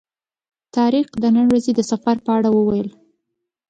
طارق د نن ورځې د سفر په اړه وویل.